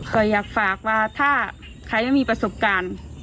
เคยอยากฝากว่าถ้าใครไม่มีประสบการณ์